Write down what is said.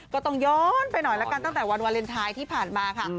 ก็ต้องย้อนไปหน่อยละกันตั้งแต่วันวาเลนไทยที่ผ่านมาค่ะ